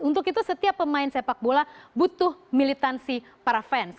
untuk itu setiap pemain sepak bola butuh militansi para fans